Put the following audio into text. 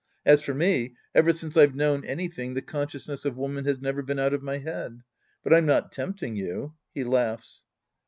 As for me, ever since I've known anything, the consciousness of woman has never been out of my head. But I'm not tempting you. {He laughs.)